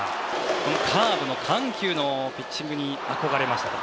このカーブの緩急のピッチングに憧れましたと。